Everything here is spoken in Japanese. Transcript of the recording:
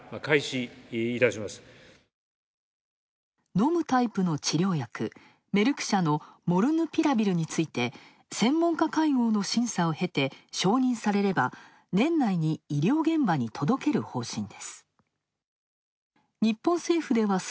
飲むタイプの治療薬、メルク社のモルヌピラビルについて専門家会合の審査を経て、承認されれば年内に医療現場に届ける方針です。